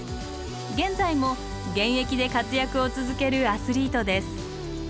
現在も現役で活躍を続けるアスリートです。